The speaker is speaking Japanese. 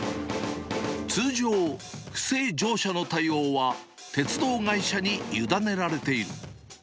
通常、不正乗車の対応は鉄道会社に委ねられている。